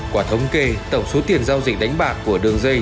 quả thống kê tổng số tiền giao dịch đánh bạc của đường dây